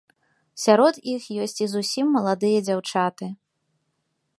Сярод іх ёсць і зусім маладыя дзяўчаты.